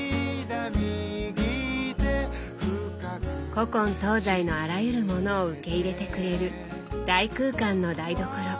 古今東西のあらゆるものを受け入れてくれる大空間の台所。